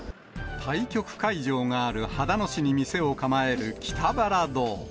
対局会場がある秦野市に店を構える北原堂。